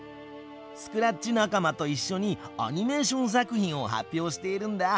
スクラッチ仲間といっしょにアニメーション作品を発表しているんだ。